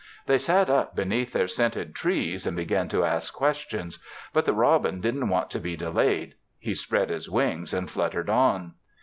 They sat up beneath their scented trees and began to ask questions. But the robin didn't want to be delayed; he spread his wings and fluttered on.